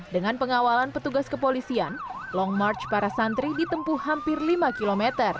dengan pengawalan petugas kepolisian long march para santri ditempuh hampir lima km